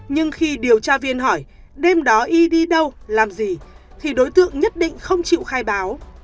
nhưng khi điều tra viên hỏi đêm đó y đi đâu làm gì thì đối tượng nhất định không chịu khai báo